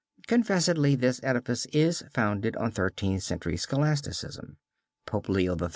Confessedly this edifice is founded on Thirteenth Century scholasticism. Pope Leo XIII.